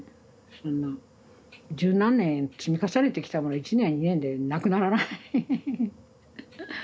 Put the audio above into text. そんな十何年積み重ねてきたものは１年や２年でなくならない。